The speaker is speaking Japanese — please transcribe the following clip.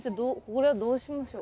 これはどうしましょう？